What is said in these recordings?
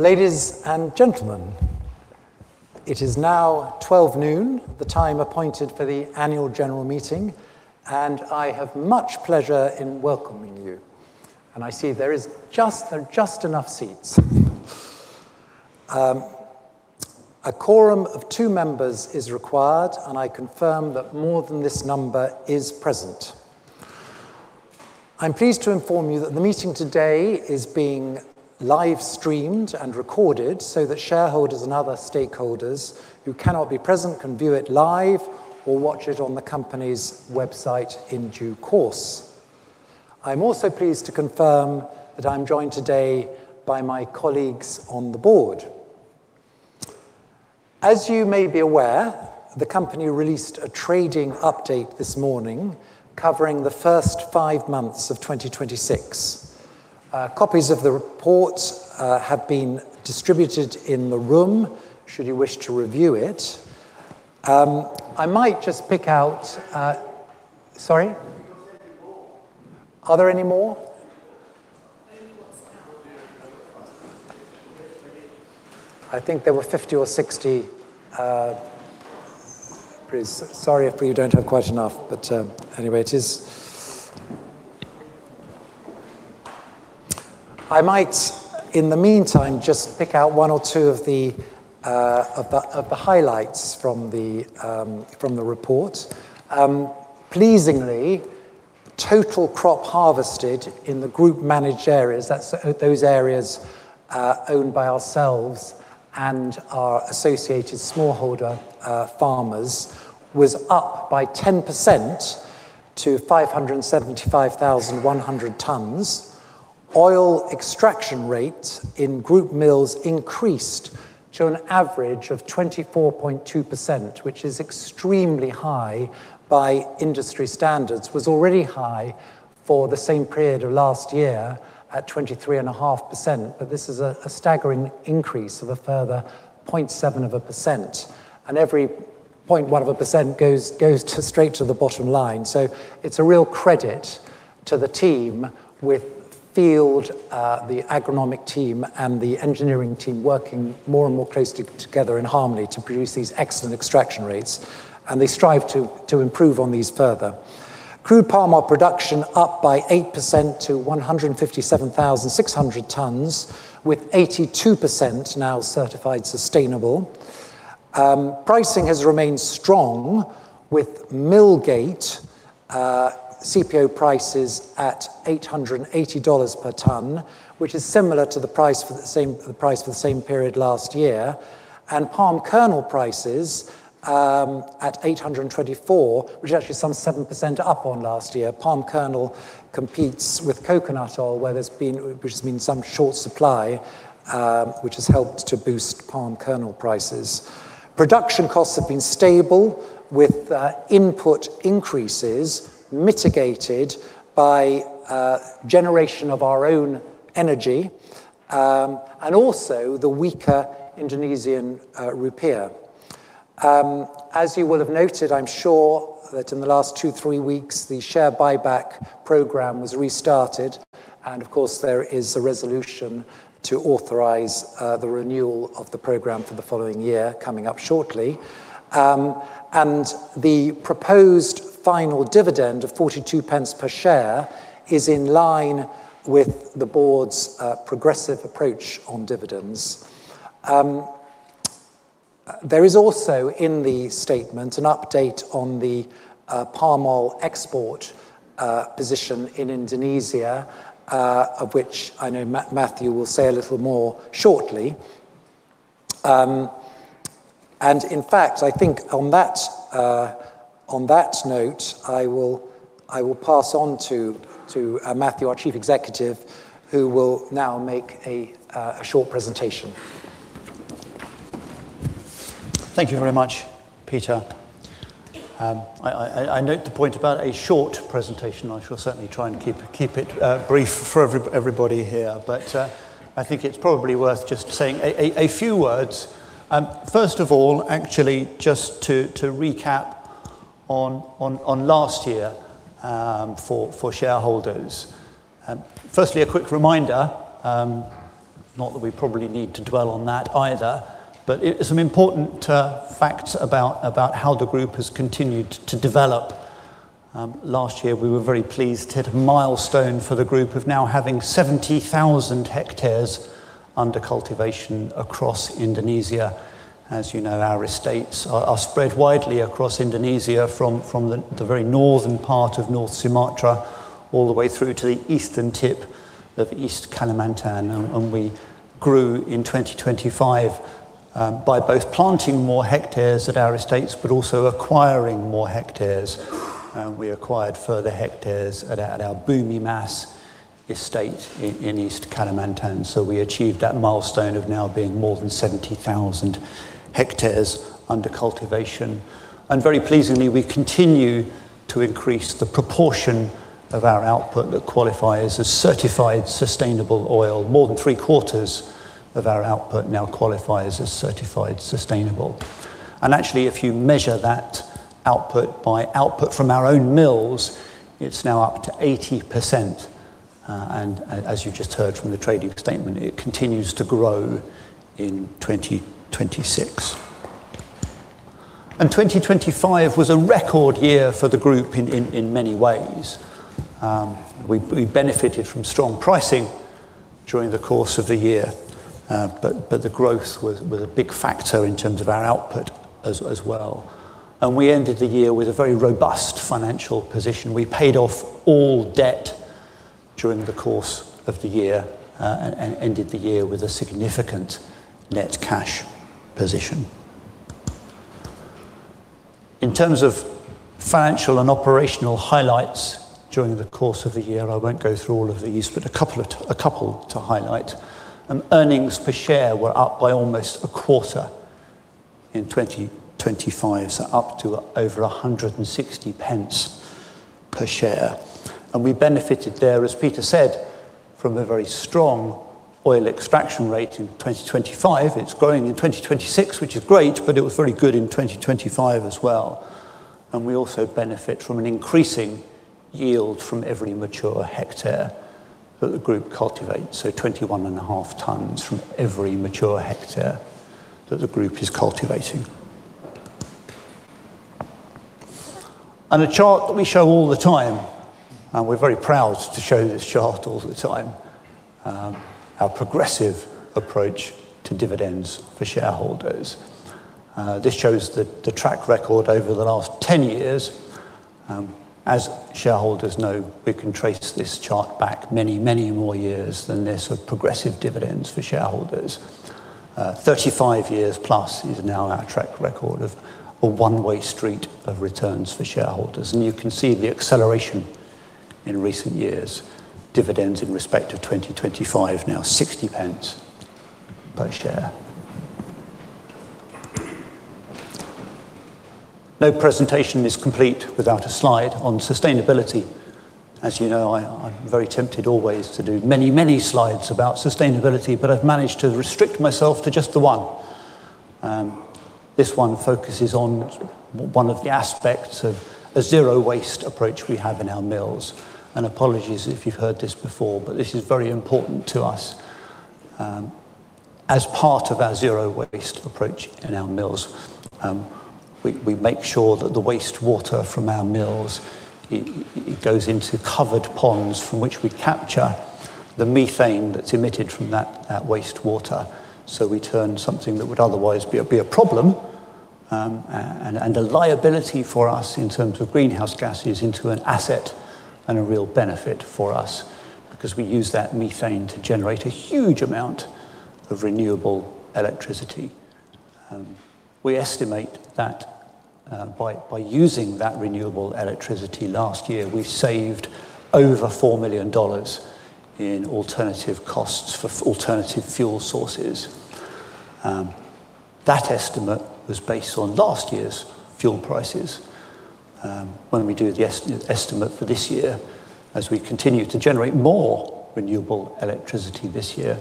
Ladies and gentlemen, it is now 12 noon, the time appointed for the annual general meeting. I have much pleasure in welcoming you. I see there are just enough seats. A quorum of two members is required, and I confirm that more than this number is present. I'm pleased to inform you that the meeting today is being live streamed and recorded so that shareholders and other stakeholders who cannot be present can view it live or watch it on the company's website in due course. I'm also pleased to confirm that I'm joined today by my colleagues on the board. As you may be aware, the company released a trading update this morning covering the first five months of 2026. Copies of the report have been distributed in the room, should you wish to review it. I might just pick out Sorry? Have you got any more? Are there any more? I think there were 50 or 60. Sorry if you don't have quite enough. Anyway, I might, in the meantime, just pick out one or two of the highlights from the report. Pleasingly, total crop harvested in the Group-managed areas, that's those areas owned by ourselves and our associated smallholder farmers, was up by 10% to 575,100 tons. Oil-extraction rates in Group mills increased to an average of 24.2%, which is extremely high by industry standards. Was already high for the same period of last year at 23.5%. This is a staggering increase of a further 0.7%. Every 0.1% goes straight to the bottom line. It's a real credit to the team with field, the agronomic team, and the engineering team working more and more closely together in harmony to produce these excellent extraction rates, and they strive to improve on these further. Crude palm oil production up by 8% to 157,600 tons, with 82% now certified sustainable. Pricing has remained strong with mill-gate CPO prices at $880 per ton, which is similar to the price for the same period last year, and palm kernel prices at $824, which is actually some 7% up on last year. Palm kernel competes with coconut oil, which has been in some short supply, which has helped to boost palm kernel prices. Production costs have been stable, with input increases mitigated by generation of our own energy, and also the weaker Indonesian rupiah. As you will have noted, I'm sure, that in the last two, three weeks, the share buyback program was restarted. Of course, there is a resolution to authorize the renewal of the program for the following year coming up shortly. The proposed final dividend of 0.42 per share is in line with the Board's progressive approach on dividends. There is also, in the statement, an update on the palm oil export position in Indonesia, of which I know Matthew will say a little more shortly. In fact, I think on that note, I will pass on to Matthew, our Chief Executive, who will now make a short presentation. Thank you very much, Peter. I note the point about a short presentation. I shall certainly try and keep it brief for everybody here. I think it's probably worth just saying a few words. First of all, actually, just to recap on last year, for shareholders. Firstly, a quick reminder, not that we probably need to dwell on that either, but some important facts about how the group has continued to develop. Last year, we were very pleased to hit a milestone for the group of now having 70,000 hectares under cultivation across Indonesia. As you know, our estates are spread widely across Indonesia from the very northern part of North Sumatra all the way through to the eastern tip of East Kalimantan. We grew in 2025 by both planting more hectares at our estates, but also acquiring more hectares. We acquired further hectares at our Bumi Mas estate in East Kalimantan. We achieved that milestone of now being more than 70,000 hectares under cultivation. Very pleasingly, we continue to increase the proportion of our output that qualifies as certified sustainable oil. More than three-quarters of our output now qualifies as certified sustainable. Actually, if you measure that output by output from our own mills, it's now up to 80%. As you just heard from the trading statement, it continues to grow in 2026. 2025 was a record year for the group in many ways. We benefited from strong pricing during the course of the year, but the growth was a big factor in terms of our output as well. We ended the year with a very robust financial position. We paid off all debt during the course of the year and ended the year with a significant net cash position. In terms of financial and operational highlights during the course of the year, I won't go through all of these, but a couple to highlight. Earnings per share were up by almost a quarter in 2025, so up to over 1.60 per share. We benefited there, as Peter said, from a very strong oil extraction rate in 2025. It's growing in 2026, which is great, but it was very good in 2025 as well. We also benefit from an increasing yield from every mature hectare that the group cultivates, so 21.5 tons from every mature hectare that the group is cultivating. A chart that we show all the time, and we're very proud to show this chart all the time, our progressive approach to dividends for shareholders. This shows the track record over the last 10 years. As shareholders know, we can trace this chart back many, many more years than this of progressive dividends for shareholders. 35 years+ is now our track record of a one-way street of returns for shareholders. You can see the acceleration in recent years. Dividends in respect of 2025, now 0.60 per share. No presentation is complete without a slide on sustainability. As you know, I'm very tempted always to do many, many slides about sustainability, but I've managed to restrict myself to just the one. This one focuses on one of the aspects of a zero-waste approach we have in our mills. Apologies if you've heard this before, but this is very important to us. As part of our zero-waste approach in our mills, we make sure that the wastewater from our mills goes into covered ponds from which we capture the methane that's emitted from that wastewater. We turn something that would otherwise be a problem, and a liability for us in terms of greenhouse gases, into an asset and a real benefit for us because we use that methane to generate a huge amount of renewable electricity. We estimate that by using that renewable electricity last year, we saved over $4 million in alternative costs for alternative fuel sources. That estimate was based on last year's fuel prices. When we do the estimate for this year, as we continue to generate more renewable electricity this year,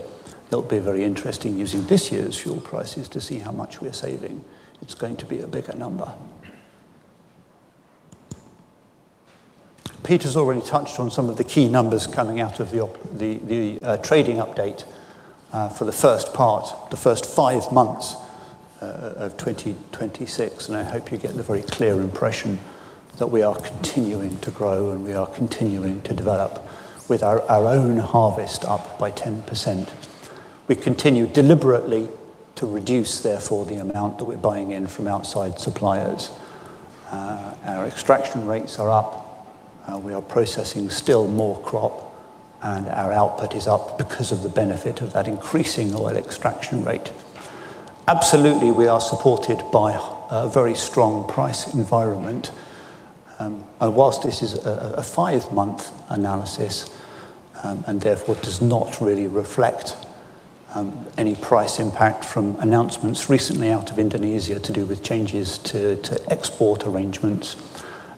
it'll be very interesting using this year's fuel prices to see how much we're saving. It's going to be a bigger number. Peter's already touched on some of the key numbers coming out of the trading update for the first part, the first five months of 2026. I hope you're getting a very clear impression that we are continuing to grow and we are continuing to develop with our own harvest up by 10%. We continue deliberately to reduce, therefore, the amount that we're buying in from outside suppliers. Our extraction rates are up. We are processing still more crop, and our output is up because of the benefit of that increasing oil extraction rate. Absolutely, we are supported by a very strong price environment. Whilst this is a five-month analysis, therefore does not really reflect any price impact from announcements recently out of Indonesia to do with changes to export arrangements,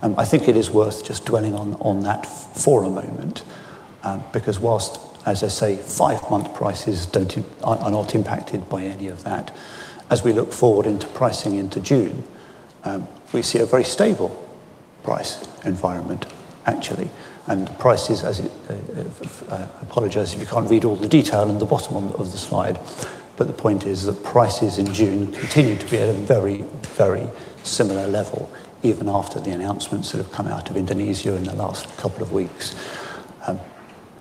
I think it is worth just dwelling on that for a moment. Whilst, as I say, five-month prices are not impacted by any of that, as we look forward into pricing into June, we see a very stable price environment, actually. Prices as I apologize if you can't read all the detail in the bottom of the slide. The point is that prices in June continue to be at a very, very similar level, even after the announcements that have come out of Indonesia in the last couple of weeks.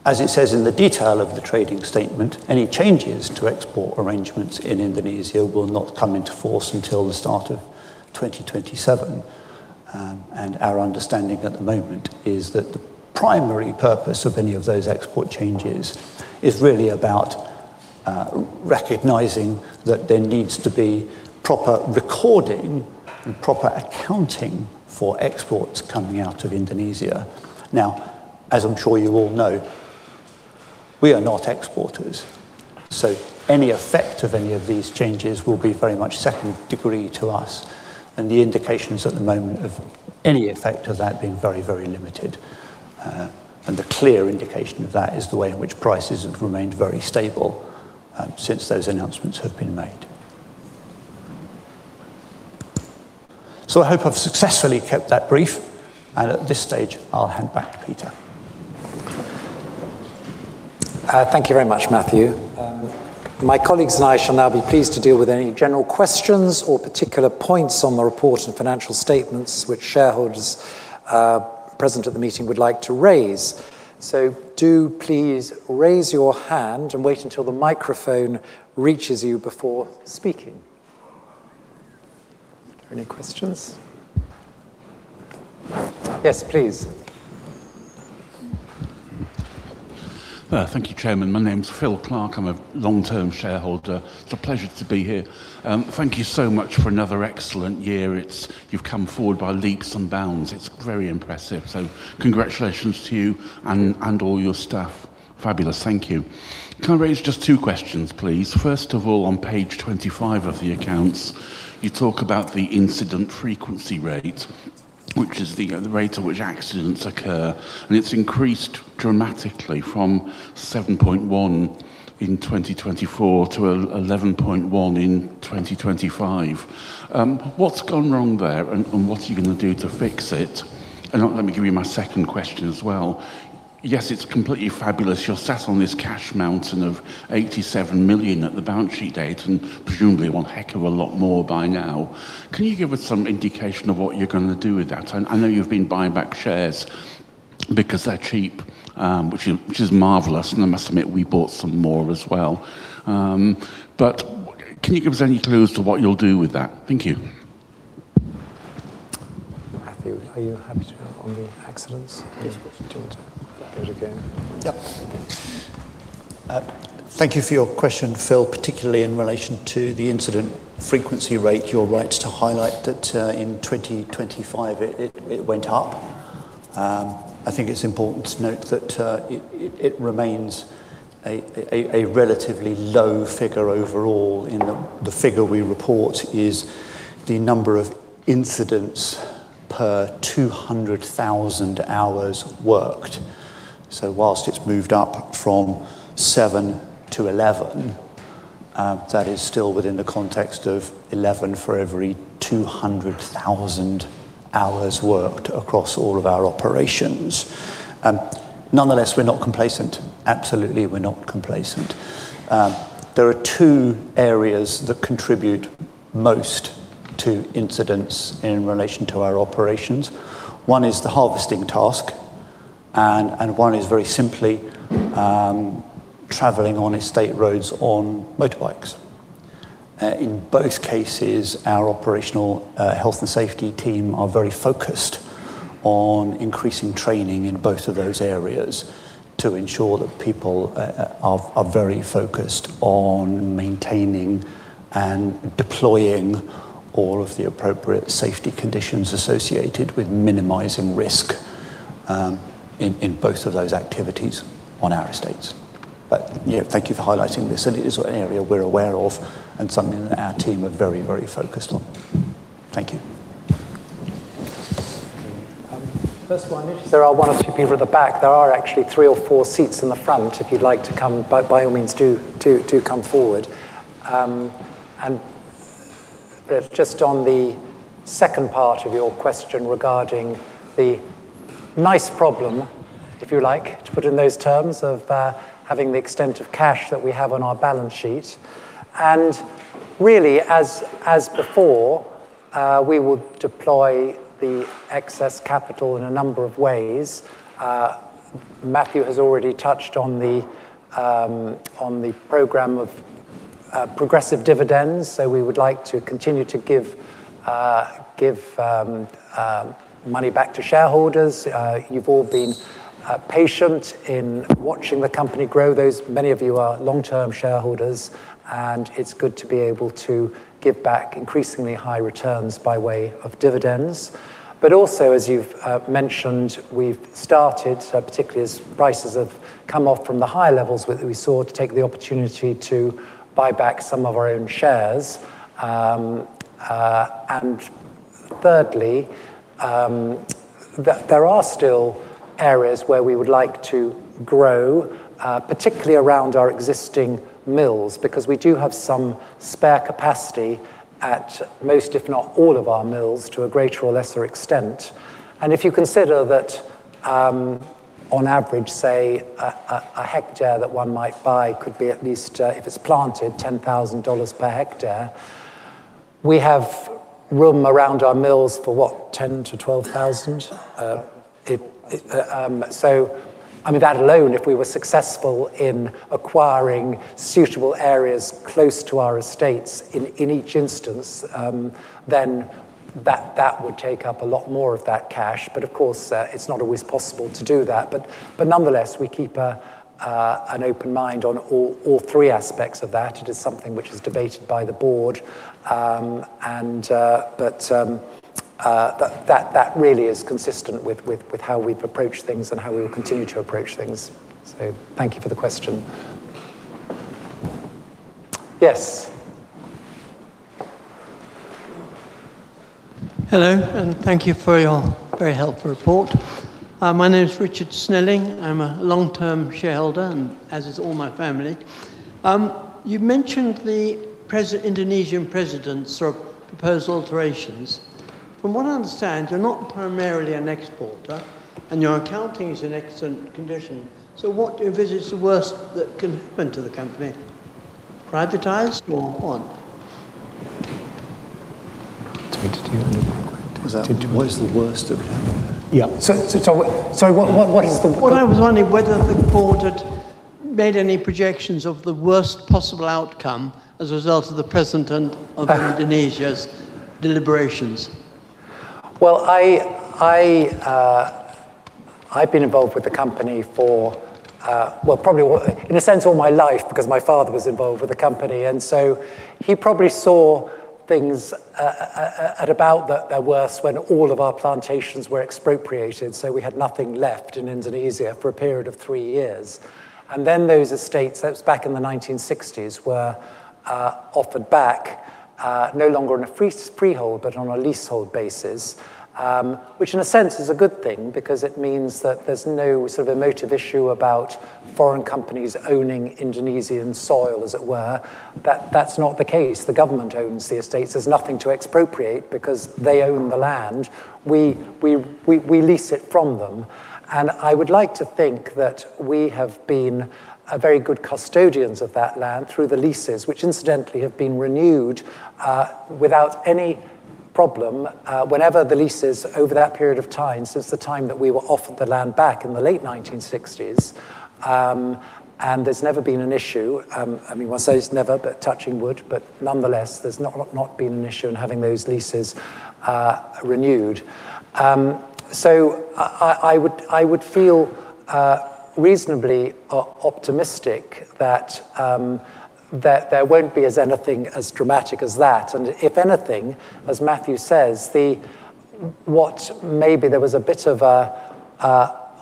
As it says in the detail of the trading statement, any changes to export arrangements in Indonesia will not come into force until the start of 2027. Our understanding at the moment is that the primary purpose of any of those export changes is really about recognizing that there needs to be proper recording and proper accounting for exports coming out of Indonesia. As I'm sure you all know, we are not exporters, any effect of any of these changes will be very much second degree to us, and the indication is, at the moment, of any effect of that being very, very limited. The clear indication of that is the way in which prices have remained very stable since those announcements have been made. I hope I've successfully kept that brief, and at this stage, I'll hand back, Peter. Thank you very much, Matthew. My colleagues and I shall now be pleased to deal with any general questions or particular points on the report and financial statements which shareholders present at the meeting would like to raise. Do please raise your hand and wait until the microphone reaches you before speaking. Any questions? Yes, please. Thank you, Chairman. My name's Phil Clark. I'm a long-term shareholder. It's a pleasure to be here. Thank you so much for another excellent year. You've come forward by leaps and bounds. It's very impressive. Congratulations to you and all your staff. Fabulous. Thank you. Can I raise just two questions, please? First of all, on page 25 of the accounts, you talk about the incident frequency rate, which is the rate at which accidents occur, and it's increased dramatically from 7.1 in 2024 to 11.1 in 2025. What's gone wrong there, and what are you going to do to fix it? Let me give you my second question as well. Yes, it's completely fabulous. You're sat on this cash mountain of $87 million at the balance sheet date, and presumably one heck of a lot more by now. Can you give us some indication of what you're going to do with that? I know you've been buying back shares because they're cheap, which is marvelous, and I must admit, we bought some more as well. Can you give us any clue as to what you'll do with that? Thank you. Matthew, are you happy to go on the accidents? Yes. Do you want to go again? Yep. Thank you for your question, Phil, particularly in relation to the incident frequency rate. You're right to highlight that in 2025, it went up. I think it's important to note that it remains a relatively low figure overall in the figure we report is the number of incidents per 200,000 hours worked. Whilst it's moved up from seven to 11, that is still within the context of 11 for every 200,000 hours worked across all of our operations. Nonetheless, we're not complacent. Absolutely, we're not complacent. There are two areas that contribute most to incidents in relation to our operations. One is the harvesting task, and one is very simply traveling on estate roads on motorbikes. In both cases, our operational health and safety team are very focused on increasing training in both of those areas to ensure that people are very focused on maintaining and deploying all of the appropriate safety conditions associated with minimizing risk in both of those activities on our estates. Thank you for highlighting this. It is an area we're aware of and something that our team are very, very focused on. Thank you. First of all, I notice there are one or two people at the back. There are actually three or four seats in the front. If you'd like to come, by all means do come forward. Just on the second part of your question regarding the nice problem, if you like, to put in those terms of having the extent of cash that we have on our balance sheet. Really, as before, we will deploy the excess capital in a number of ways. Matthew has already touched on the program of progressive dividends. We would like to continue to give money back to shareholders. You've all been patient in watching the company grow. Many of you are long-term shareholders, and it's good to be able to give back increasingly high returns by way of dividends. Also, as you've mentioned, we've started, particularly as prices have come off from the higher levels we saw, to take the opportunity to buy back some of our own shares. Thirdly, there are still areas where we would like to grow, particularly around our existing mills, because we do have some spare capacity at most, if not all of our mills, to a greater or lesser extent. If you consider that on average, say a hectare that one might buy could be at least, if it's planted, $10,000 per hectare. We have room around our mills for what? 10,000 to 12,000? I mean, that alone, if we were successful in acquiring suitable areas close to our estates in each instance, then that would take up a lot more of that cash. Of course, it's not always possible to do that. Nonetheless, we keep an open mind on all three aspects of that. It is something which is debated by the board, but that really is consistent with how we've approached things and how we will continue to approach things. Thank you for the question. Yes Hello, thank you for your very helpful report. My name is Richard Snelling. I'm a long-term shareholder, as is all my family. You mentioned the Indonesian president's proposed alterations. From what I understand, you're not primarily an exporter, and your accounting is in excellent condition. What do you envisage the worst that can happen to the company? Privatized, or what? It's me to do. What is the worst that can happen? Yeah. Sorry, what is the worst- Well, I was wondering whether the Board had made any projections of the worst possible outcome as a result of the president of Indonesia's deliberations. Well, I've been involved with the company for, well, probably, in a sense, all my life, because my father was involved with the company. He probably saw things at about their worst when all of our plantations were expropriated, so we had nothing left in Indonesia for a period of three years. Those estates, that was back in the 1960s, were offered back, no longer on a freehold, but on a leasehold basis. Which, in a sense, is a good thing because it means that there's no sort of emotive issue about foreign companies owning Indonesian soil, as it were. That's not the case. The government owns the estates. There's nothing to expropriate because they own the land. We lease it from them. I would like to think that we have been very good custodians of that land through the leases, which incidentally have been renewed without any problem whenever the leases over that period of time, since the time that we were offered the land back in the late 1960s, there's never been an issue. One says never, but touching wood, but nonetheless, there's not been an issue in having those leases renewed. I would feel reasonably optimistic that there won't be anything as dramatic as that. If anything, as Matthew says, maybe there was a bit of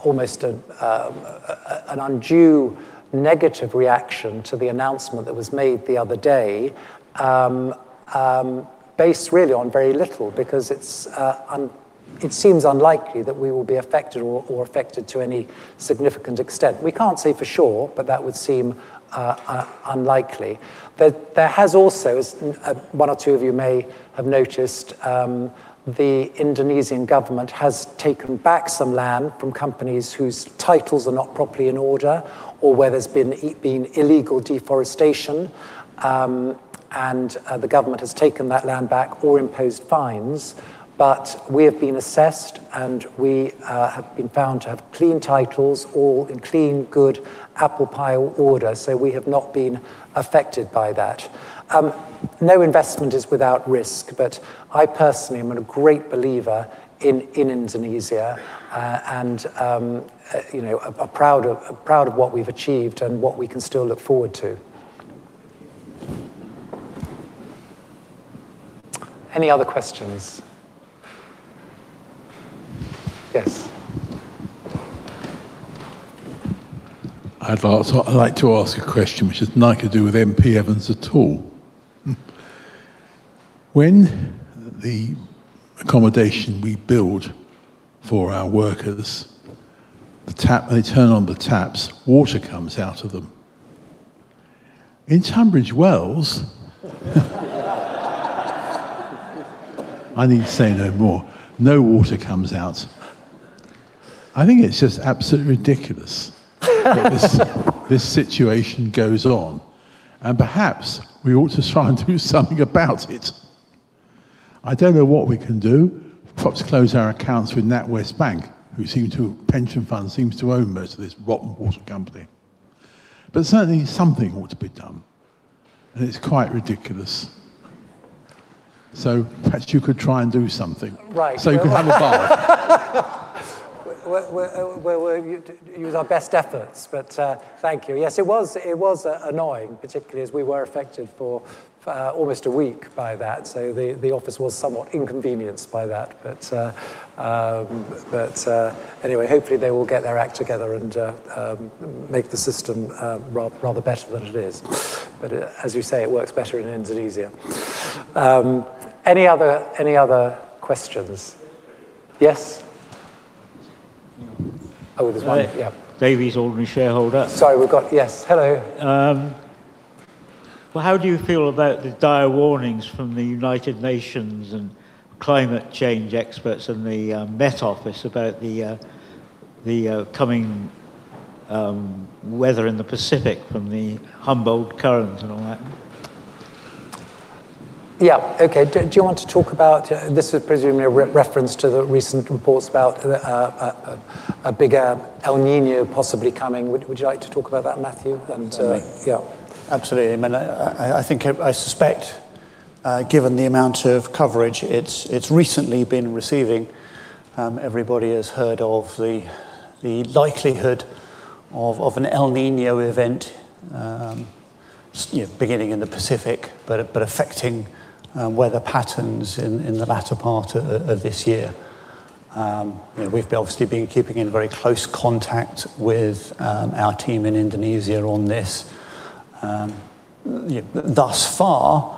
almost an undue negative reaction to the announcement that was made the other day, based really on very little. It seems unlikely that we will be affected or affected to any significant extent. We can't say for sure, but that would seem unlikely. There has also, as one or two of you may have noticed, the Indonesian government has taken back some land from companies whose titles are not properly in order or where there's been illegal deforestation, the government has taken that land back or imposed fines. We have been assessed, and we have been found to have clean titles, all in clean, good apple pie order. We have not been affected by that. No investment is without risk, but I personally am a great believer in Indonesia, and proud of what we've achieved and what we can still look forward to. Any other questions? Yes. I'd like to ask a question which has nothing to do with M.P. Evans at all. When the accommodation we build for our workers, they turn on the taps, water comes out of them. In Tunbridge Wells I need say no more. No water comes out. I think it's just absolutely ridiculous that this situation goes on. Perhaps we ought to try and do something about it. I don't know what we can do. Perhaps close our accounts with NatWest Bank, whose pension fund seems to own most of this rotten water company. Certainly, something ought to be done, and it's quite ridiculous. Perhaps you could try and do something. Right. You can have a bath. We'll use our best efforts, thank you. Yes, it was annoying, particularly as we were affected for almost a week by that. The office was somewhat inconvenienced by that. Anyway, hopefully, they will get their act together and make the system rather better than it is. As you say, it works better in Indonesia. Other questions? Yes. There's one. Davies, ordinary Shareholder. Sorry, we've got Yes. Hello. Well, how do you feel about the dire warnings from the United Nations and climate change experts in the Met Office about the coming weather in the Pacific from the Humboldt Current and all that? Yeah. Okay. Do you want to talk about, this is presumably a reference to the recent reports about a bigger El Niño possibly coming. Would you like to talk about that, Matthew? Me? Yeah. Absolutely. I suspect, given the amount of coverage it's recently been receiving, everybody has heard of the likelihood of an El Niño event beginning in the Pacific, but affecting weather patterns in the latter part of this year. We've obviously been keeping in very close contact with our team in Indonesia on this. Thus far,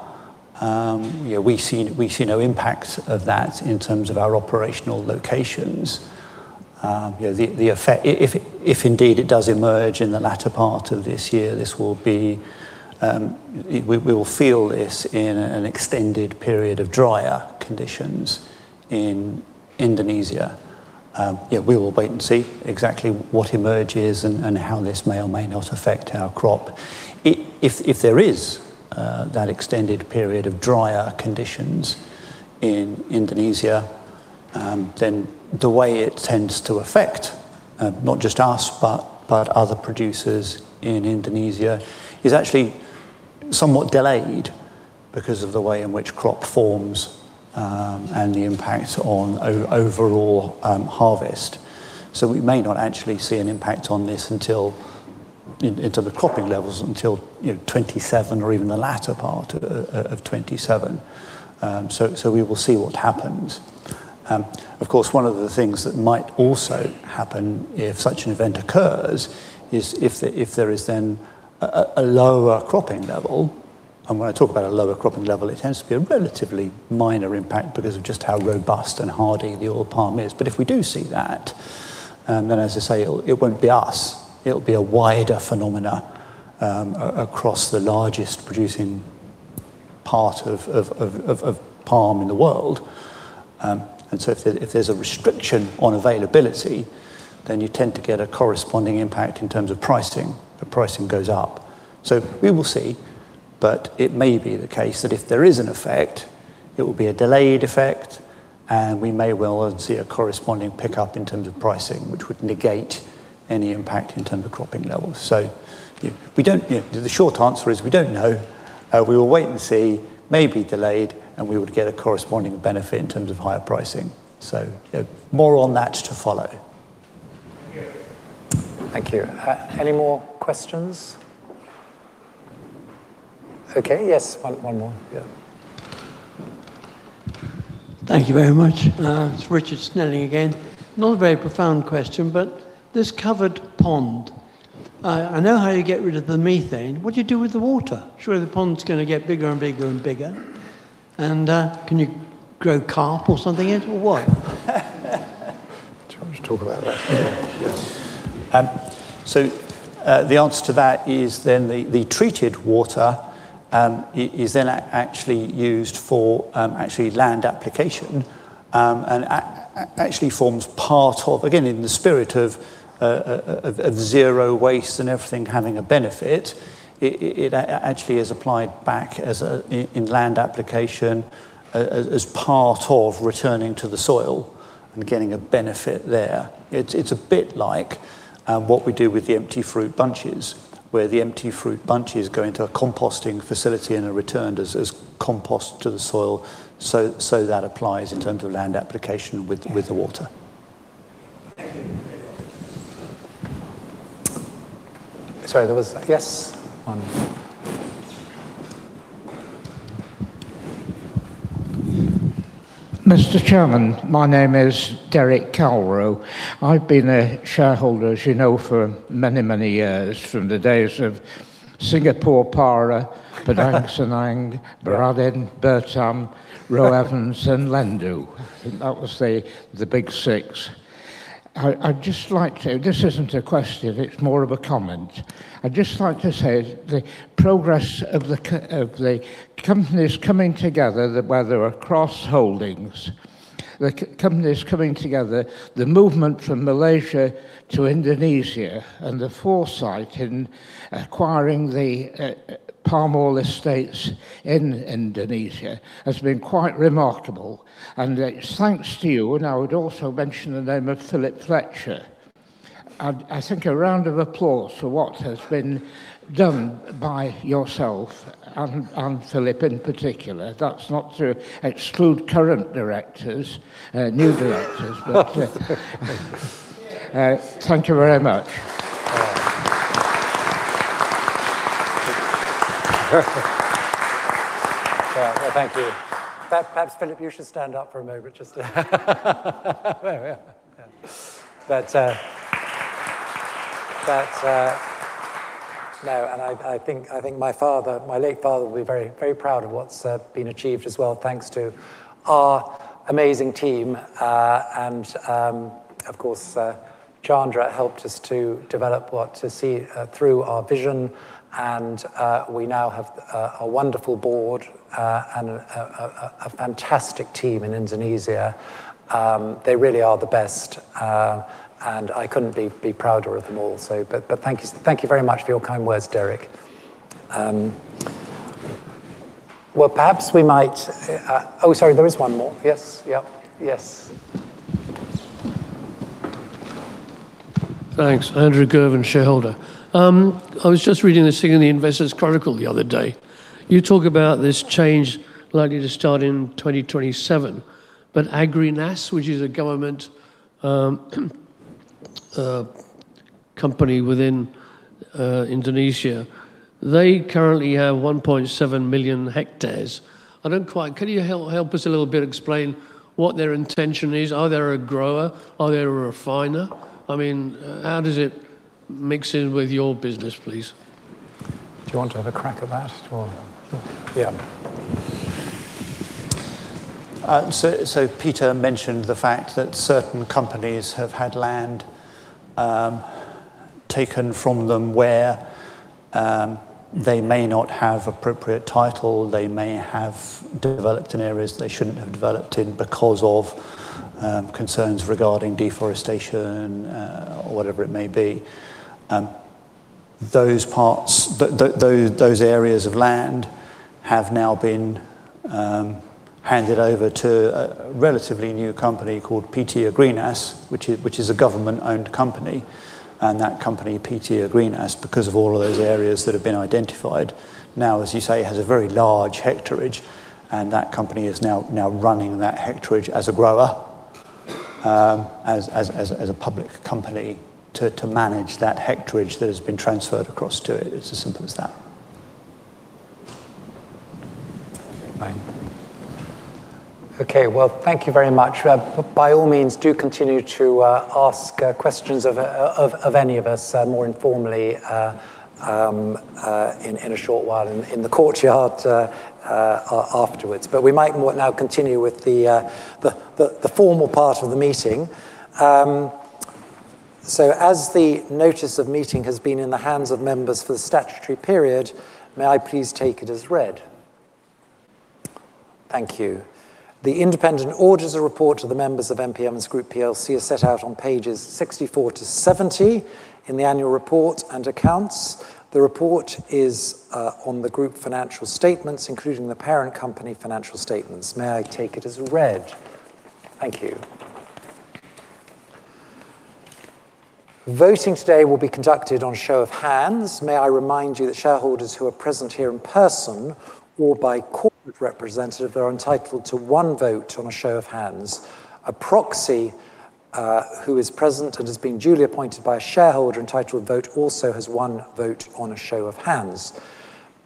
we see no impact of that in terms of our operational locations. If indeed it does emerge in the latter part of this year, we will feel this in an extended period of drier conditions in Indonesia. We will wait and see exactly what emerges and how this may or may not affect our crop. If there is that extended period of drier conditions in Indonesia, then the way it tends to affect not just us, but other producers in Indonesia is actually somewhat delayed because of the way in which crop forms and the impact on overall harvest. We may not actually see an impact on this until, in terms of cropping levels, until 2027 or even the latter part of 2027. We will see what happens. When I talk about a lower cropping level, it tends to be a relatively minor impact because of just how robust and hardy the oil palm is. If we do see that, as I say, it will be a wider phenomenon across the largest producing part of palm in the world. If there's a restriction on availability, you tend to get a corresponding impact in terms of pricing. The pricing goes up. We will see, but it may be the case that if there is an effect, it will be a delayed effect, and we may well see a corresponding pickup in terms of pricing, which would negate any impact in terms of cropping levels. The short answer is we don't know. We will wait and see, may be delayed, and we would get a corresponding benefit in terms of higher pricing. More on that to follow. Thank you. Any more questions? Okay. Yes. One more. Yeah. Thank you very much. It's Richard Snelling again. Not a very profound question, this covered pond, I know how you get rid of the methane. What do you do with the water? Surely the pond's going to get bigger and bigger and bigger. Can you grow carp or something in it or what? Do you want me to talk about that? Yes. The answer to that is then the treated water is then actually used for actually land application, and actually forms part of, again, in the spirit of zero-waste and everything having a benefit, it actually is applied back in land application as part of returning to the soil and getting a benefit there. It's a bit like what we do with the empty fruit bunches, where the empty fruit bunches go into a composting facility and are returned as compost to the soil. That applies in terms of land application with the water. Sorry, there was, yes. One. Mr. Chairman, my name is Derek Calrow. I've been a shareholder, as you know, for many, many years, from the days of Padang Sanang, Baradin, Bertam, Rowe Evans, and Lendu. I think that was the big six. This isn't a question, it's more of a comment. I'd just like to say, the progress of the companies coming together, where there are cross-holdings, the companies coming together, the movement from Malaysia to Indonesia, and the foresight in acquiring the palm oil estates in Indonesia has been quite remarkable, and it's thanks to you, and I would also mention the name of Philip Fletcher. I think a round of applause for what has been done by yourself and Philip in particular. That's not to exclude current directors, new directors. Thank you very much. Well, thank you. Perhaps Philip, you should stand up for a moment just to there we are. No, I think my late father would be very proud of what's been achieved as well, thanks to our amazing team. Of course, Chandra helped us to develop, well, to see through our vision and we now have a wonderful board and a fantastic team in Indonesia. They really are the best, and I couldn't be prouder of them all. Thank you very much for your kind words, Derek. Well, perhaps we might Oh, sorry, there is one more. Yes. Yep. Yes. Thanks. Andrew Girven, Shareholder. I was just reading this thing in the "Investors Chronicle" the other day. You talk about this change likely to start in 2027, Agrinas, which is a government company within Indonesia, they currently have 1.7 million hectares. Can you help us a little bit explain what their intention is? Are they a grower? Are they a refiner? I mean, how does it mix in with your business, please? Do you want to have a crack at that or Sure. Yeah. Peter mentioned the fact that certain companies have had land taken from them where they may not have appropriate title, they may have developed in areas they shouldn't have developed in because of concerns regarding deforestation or whatever it may be. Those areas of land have now been handed over to a relatively new company called PT Agrinas, which is a government-owned company. That company, PT Agrinas, because of all of those areas that have been identified, now, as you say, has a very large hectarage. That company is now running that hectarage as a grower, as a public company to manage that hectarage that has been transferred across to it. It's as simple as that. Right. Okay, well, thank you very much. By all means, do continue to ask questions of any of us more informally in a short while in the courtyard afterwards. We might now continue with the formal part of the meeting. As the notice of meeting has been in the hands of members for the statutory period, may I please take it as read? Thank you. The independent auditor's report to the members of M.P. Evans Group PLC is set out on pages 64 to 70 in the annual report and accounts. The report is on the group financial statements, including the parent company financial statements. May I take it as read? Thank you. Voting today will be conducted on a show of hands. May I remind you that shareholders who are present here in person or by corporate representative are entitled to one vote on a show of hands. A proxy who is present and has been duly appointed by a shareholder entitled to vote also has one vote on a show of hands.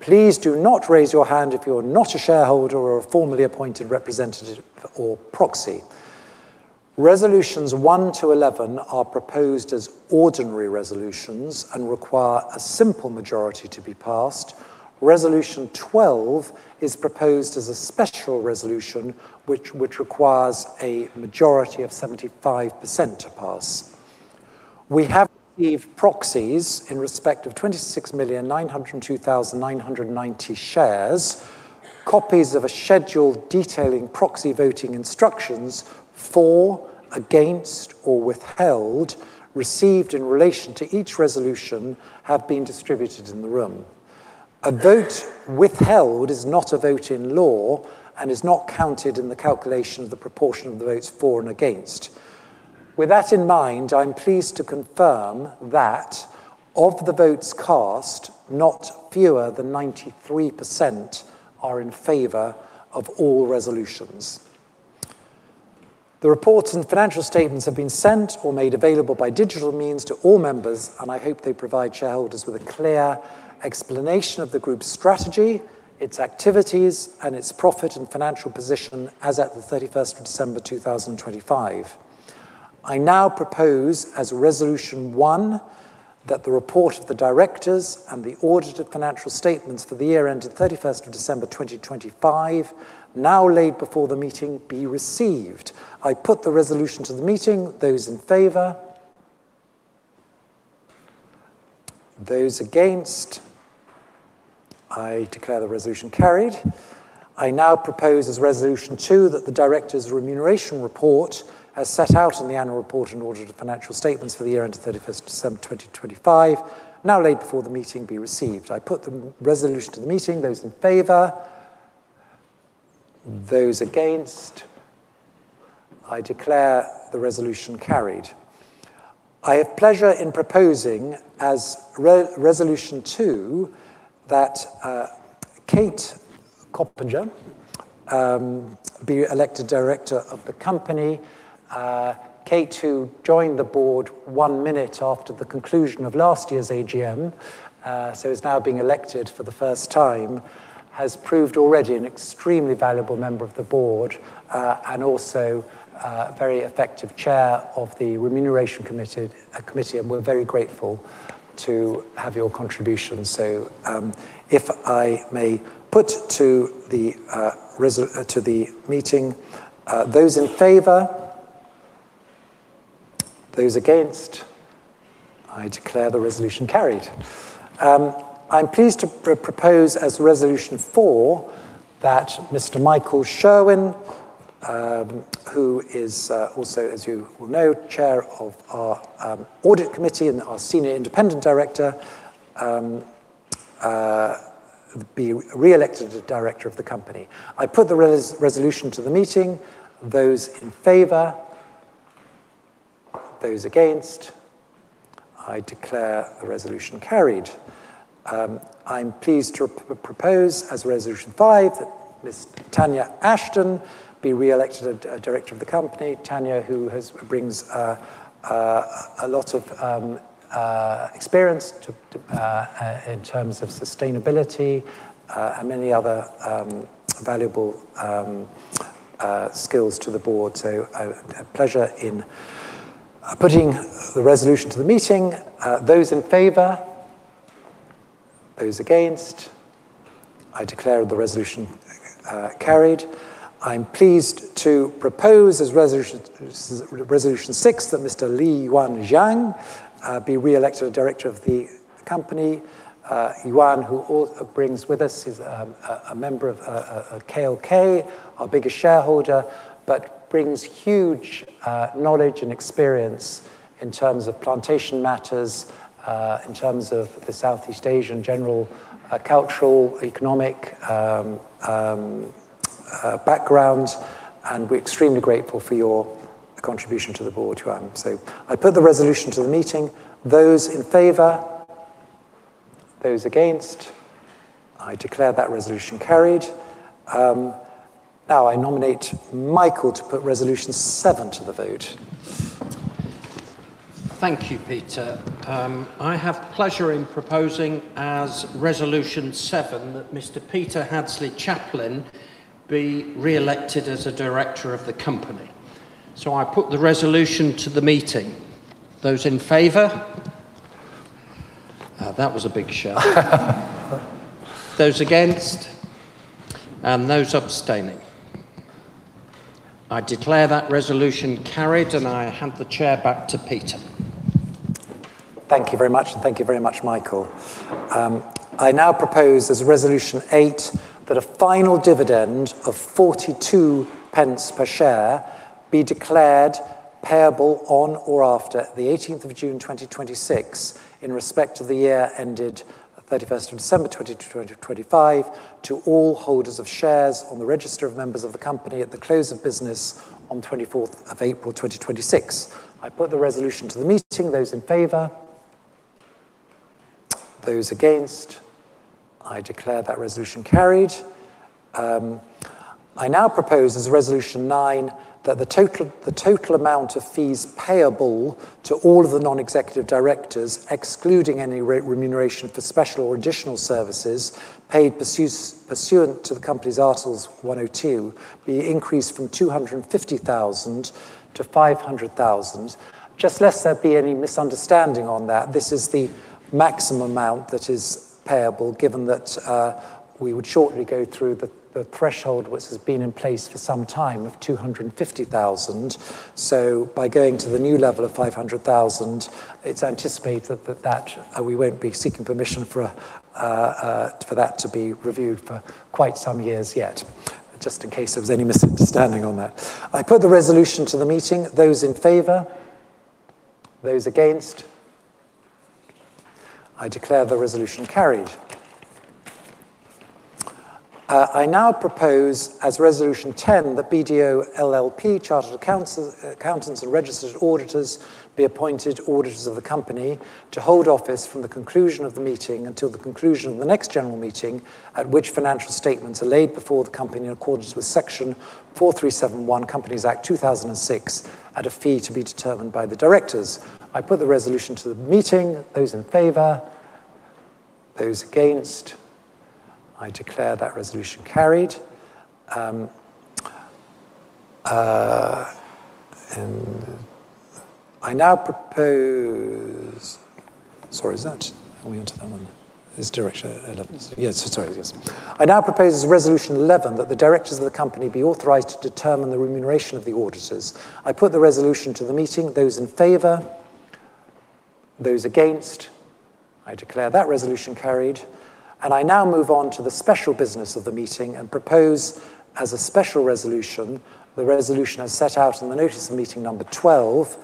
Please do not raise your hand if you're not a shareholder or a formally appointed representative or proxy. Resolutions One to 11 are proposed as ordinary resolutions and require a simple majority to be passed. Resolution 12 is proposed as a special resolution, which requires a majority of 75% to pass. We have received proxies in respect of 26,902,990 shares. Copies of a schedule detailing proxy voting instructions for, against, or withheld, received in relation to each resolution, have been distributed in the room. A vote withheld is not a vote in law and is not counted in the calculation of the proportion of the votes for and against. With that in mind, I am pleased to confirm that of the votes cast, not fewer than 93% are in favor of all resolutions. The reports and financial statements have been sent or made available by digital means to all members. I hope they provide shareholders with a clear explanation of the group's strategy, its activities, and its profit and financial position as at the December 31st 2025. I now propose as Resolution One that the report of the directors and the audited financial statements for the year ended December 31st 2025 now laid before the meeting be received. I put the resolution to the meeting. Those in favor? Those against? I declare the resolution carried. I now propose as Resolution Two that the directors' remuneration report, as set out in the annual report and audited financial statements for the year ended December 31st 2025, now laid before the meeting, be received. I put the resolution to the meeting. Those in favor? Those against? I declare the resolution carried. I have pleasure in proposing as Resolution Two that Kate Coppinger be elected director of the company. Kate, who joined the Board one minute after the conclusion of last year's AGM, so is now being elected for the first time, has proved already an extremely valuable Member of the Board. Also a very effective Chair of the Remuneration Committee, and we're very grateful to have your contribution. If I may put to the meeting. Those in favor? Those against? I declare the resolution carried. I'm pleased to propose as Resolution Four that Mr. Michael Sherwin, who is also, as you will know, Chair of our Audit Committee and our Senior Independent Director, be reelected director of the company. I put the resolution to the meeting. Those in favor? Those against? I declare the resolution carried. I'm pleased to propose as Resolution Five that Ms. Tanya Ashton be reelected a director of the company. Tanya, who brings a lot of experience in terms of sustainability and many other valuable skills to the board. I have pleasure in putting the resolution to the meeting. Those in favor? Those against? I declare the resolution carried. I'm pleased to propose as Resolution Six that Mr. Lee Yuan Zhang be reelected director of the company. Yuan, who also brings with us, is a member of KLK, our biggest shareholder, but brings huge knowledge and experience in terms of plantation matters, in terms of the Southeast Asian general cultural, economic background, and we're extremely grateful for your contribution to the Board, Yuan. I put the resolution to the meeting. Those in favor? Those against? I declare that resolution carried. I nominate Michael to put Resolution Seven to the vote. Thank you, Peter. I have pleasure in proposing as Resolution Seven that Mr. Peter Hadsley-Chaplin be reelected as a director of the company. I put the resolution to the meeting. Those in favor? That was a big show. Those against? Those abstaining? I declare that resolution carried, I hand the Chair back to Peter. Thank you very much. Thank you very much, Michael. I propose as Resolution Eight that a final dividend of 0.42 per share be declared payable on or after the June 18th 2026 in respect of the year ended December 31st 2025 to all holders of shares on the register of members of the company at the close of business on April 24th 2026. I put the resolution to the meeting. Those in favor? Those against? I declare that resolution carried. I propose as Resolution Nine that the total amount of fees payable to all of the non-executive directors, excluding any remuneration for special or additional services paid pursuant to the company's Article 102, be increased from $250,000 to $500,000. Just lest there be any misunderstanding on that, this is the maximum amount that is payable given that we would shortly go through the threshold which has been in place for some time of $250,000. By going to the new level of $500,000, it's anticipated that we won't be seeking permission for that to be reviewed for quite some years yet. Just in case there was any misunderstanding on that. I put the resolution to the meeting. Those in favor? Those against? I declare the resolution carried. I now propose as Resolution 10 that BDO LLP, chartered accountants and registered auditors, be appointed auditors of the company to hold office from the conclusion of the meeting until the conclusion of the next general meeting at which financial statements are laid before the company in accordance with Section 437, Companies Act 2006, at a fee to be determined by the directors. I put the resolution to the meeting. Those in favor? Those against? I declare that resolution carried. I now propose Sorry, are we onto that one? Yes. Sorry, yes. I now propose as Resolution 11 that the directors of the company be authorized to determine the remuneration of the auditors. I put the resolution to the meeting. Those in favor? Those against? I declare that resolution carried. I now move on to the special business of the meeting and propose as a special resolution, the resolution as set out in the notice of meeting number 12.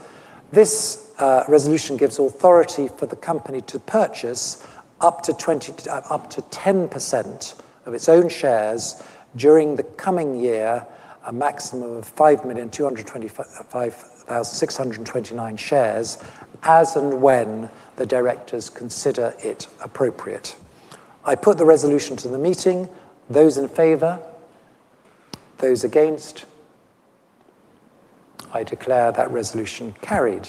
This resolution gives authority for the company to purchase up to 10% of its own shares during the coming year, a maximum of 5,225,629 shares, as and when the directors consider it appropriate. I put the resolution to the meeting. Those in favor? Those against? I declare that resolution carried.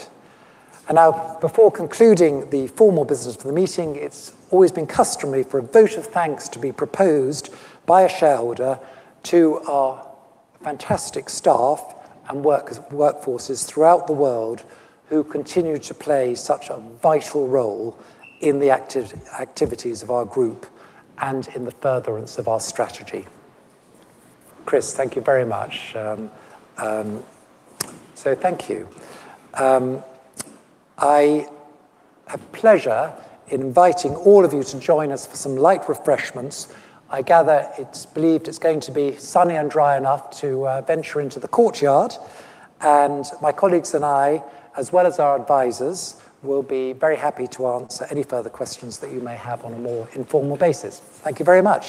Now, before concluding the formal business for the meeting, it's always been customary for a vote of thanks to be proposed by a shareholder to our fantastic staff and workforces throughout the world who continue to play such a vital role in the activities of our group and in the furtherance of our strategy. Chris, thank you very much. Thank you. I have pleasure in inviting all of you to join us for some light refreshments. I gather it's believed it's going to be sunny and dry enough to venture into the courtyard. My colleagues and I, as well as our advisors, will be very happy to answer any further questions that you may have on a more informal basis. Thank you very much